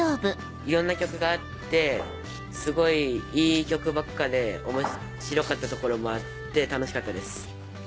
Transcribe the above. いろんな曲があってすごいいい曲ばっかで面白かったところもあって楽しかったです。